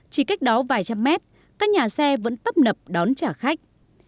chỉ cách đó vài trăm mét các nhà xe vẫn tấp nập đón trả khách